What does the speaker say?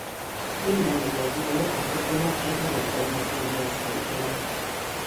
Minden egyes dudor a koponya egy adott területén helyezkedik el.